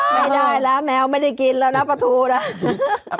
ไม่ได้แล้วแมวไม่ได้กินแล้วนะประตูนะ